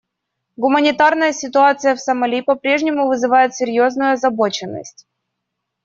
Гуманитарная ситуация в Сомали по-прежнему вызывает серьезную озабоченность.